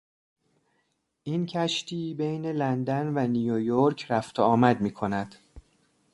این کشتی بین لندن و نیویورک رفت و آمد میکند.